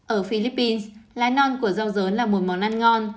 ở philippines lá non của rau dớn là một món ăn ngon